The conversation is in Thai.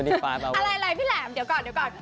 อะไรเลยพี่แหลมเดี๋ยวก่อนเดี๋ยวก่อน